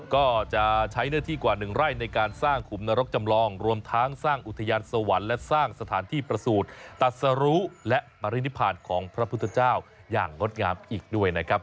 ก็จะใช้เนื้อที่กว่า๑ไร่ในการสร้างขุมนรกจำลองรวมทั้งสร้างอุทยานสวรรค์และสร้างสถานที่ประสูจน์ตัดสรุและปรินิพานของพระพุทธเจ้าอย่างงดงามอีกด้วยนะครับ